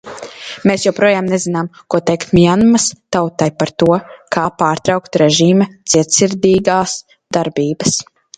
Mēs joprojām nezinām, ko teikt Mjanmas tautai par to, kā pārtraukt režīma cietsirdīgās darbības.